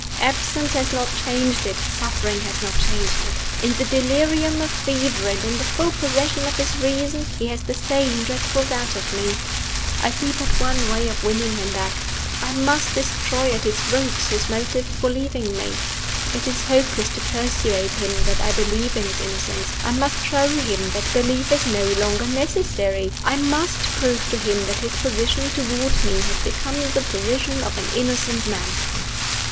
Absence has not changed it; suffering has not changed it. In the delirium of fever, and in the full possession of his reason, he has the same dreadful doubt of me. I see but one way of winning him back: I must destroy at its root his motive for leaving me. It is hopeless to persuade him that I believe in his innocence: I must show him that belief is no longer necessary; I must prove to him that his position toward me has become the position of an innocent man!"